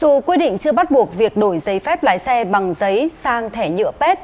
dù quy định chưa bắt buộc việc đổi giấy phép lái xe bằng giấy sang thẻ nhựa pet